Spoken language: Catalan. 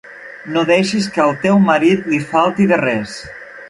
No deixis que al teu marit li falti de res.